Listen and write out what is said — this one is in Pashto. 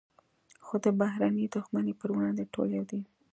خو د بهرني دښمن پر وړاندې ټول یو دي.